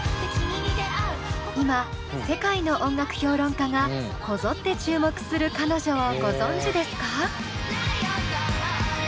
今世界の音楽評論家がこぞって注目する彼女をご存じですか？